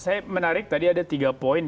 saya menarik tadi ada tiga poin